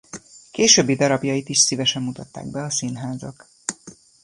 Későbbi darabjait is szívesen mutatták be a színházak.